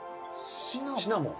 シナモン。